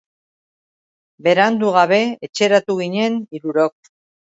Berandu gabe etxeratu ginen hirurok.